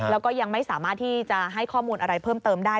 แล้วก็ยังไม่สามารถที่จะให้ข้อมูลอะไรเพิ่มเติมได้